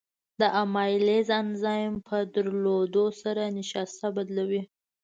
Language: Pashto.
د امایلیز انزایم په درلودو سره نشایسته بدلوي.